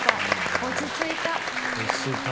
落ち着いた。